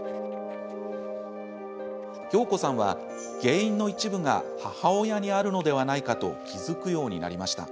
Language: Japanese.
恭子さんは、原因の一部が母親にあるのではないかと気付くようになりました。